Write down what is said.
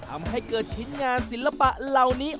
ทำให้เกิดชิ้นงานศิลปะเหล่านี้